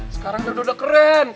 sekarang dado udah keren